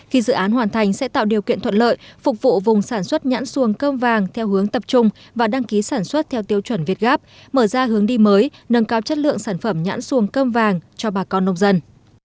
khi dự án hoàn thành sẽ tạo điều kiện thuận lợi phục vụ vùng sản xuất nhãn xuồng cơm vàng theo hướng tập trung và đăng ký sản xuất theo tiêu chuẩn việt gáp mở ra hướng đi mới nâng cao chất lượng sản phẩm nhãn xuồng cơm vàng cho bà con nông dân